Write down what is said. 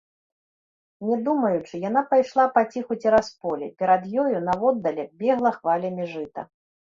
Не думаючы, яна пайшла паціху цераз поле, перад ёю, наводдалек, бегла хвалямі жыта.